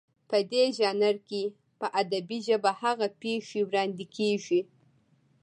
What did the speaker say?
په دې ژانر کې په ادبي ژبه هغه پېښې وړاندې کېږي